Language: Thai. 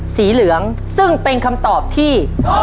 สีเหลืองซึ่งเป็นคำตอบที่